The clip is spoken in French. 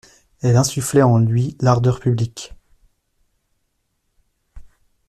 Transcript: Elles insufflaient en lui l'ardeur publique.